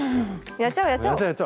やっちゃおうやっちゃおう。